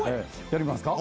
やりますか？